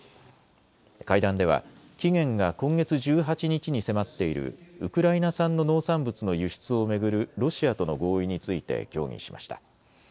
会談では期限が今月１８日に迫っているウクライナ産の農産物の輸出を巡るロシアとの合意について協議しました。